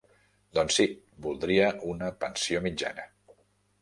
Doncs sí, voldria una pensió mitjana.